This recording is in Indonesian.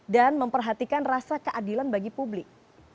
dan memperhatikan rasa keadilan bagi publik